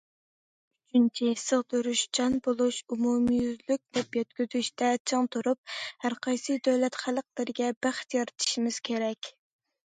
ئۈچىنچى، سىغدۇرۇشچان بولۇش، ئومۇميۈزلۈك نەپ يەتكۈزۈشتە چىڭ تۇرۇپ، ھەرقايسى دۆلەت خەلقلىرىگە بەخت يارىتىشىمىز كېرەك.